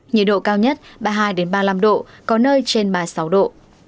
nhiệt độ cao nhất ba mươi hai ba mươi năm độ có nơi trên ba mươi sáu độ